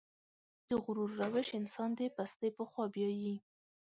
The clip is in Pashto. د غرور روش انسان د پستۍ په خوا بيايي.